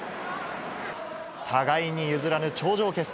互いに譲らぬ頂上決戦。